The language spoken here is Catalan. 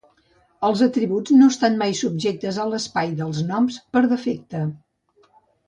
Els atributs no estan mai subjectes a l'espai de noms per defecte.